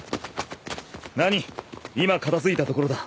何今片付いたところだ。